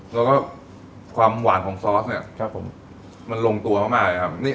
แล้วก็ความหวานของซอสมันลงตัวมากครับ